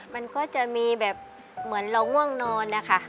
มันก็จะมีแบบเหมือนเราง่วงนอนนะคะ